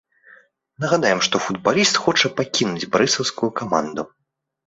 Нагадаем, што футбаліст хоча пакінуць барысаўскую каманду.